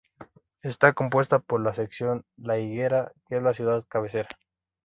Está compuesta por la sección La Higuera, que es la ciudad cabecera.